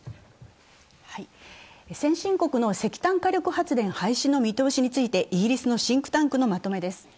先進国の石炭火力発電の廃止の見通しについてイギリスのシンクタンクのまとめです。